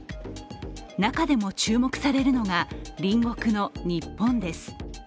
中でも注目されるのが隣国の日本です。